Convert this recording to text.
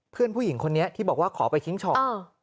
เพื่อนผู้หญิงคนนี้ที่บอกว่าขอไปทิ้งช่อง